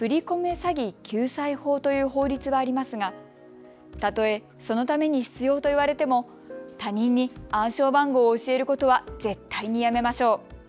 詐欺救済法という法律はありますが例えそのために必要と言われても他人に暗証番号を教えることは絶対にやめましょう。